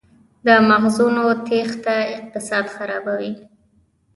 د مغزونو تیښته اقتصاد خرابوي؟